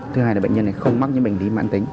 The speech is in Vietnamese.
thứ hai là bệnh nhân này không mắc những bệnh lý mãn tính